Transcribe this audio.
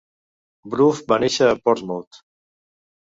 Bruff va néixer a Portsmouth.